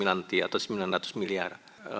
nanti atau sembilan ratus miliar